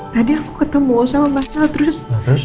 tadi aku ketemu sama mbak sel terus